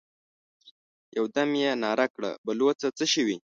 يودم يې ناره کړه: بلوڅه! څه شوې؟